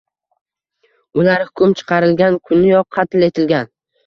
Ular hukm chiqarilgan kuniyoq, qatl etilgan...